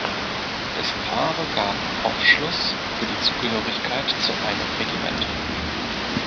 Dessen Farbe gab Aufschluss über die Zugehörigkeit zu einem Regiment.